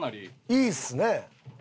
いいですね。